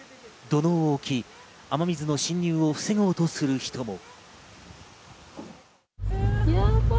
土のうを置き、雨水の浸入を防ごうとする人も。